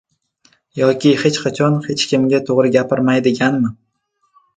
yoki hech qachon hech kimga to‘g‘ri gapirmaydiganmi?